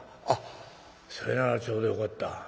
「あっそれならちょうどよかった。